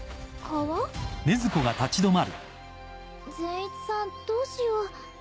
善逸さんどうしよう？